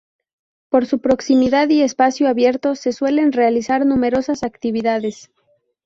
Por su proximidad y espacio abierto se suelen realizar numerosas actividades.